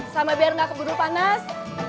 sama biar nggak keburu panas